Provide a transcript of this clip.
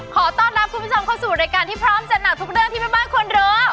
ขอต้อนรับคุณผู้ชมเข้าสู่รายการที่พร้อมจัดหนักทุกเรื่องที่แม่บ้านควรรู้